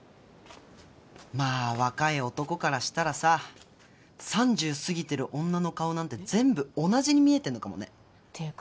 まあ若い男からしたらさ３０過ぎてる女の顔なんて全部同じに見えてんのかもねていうか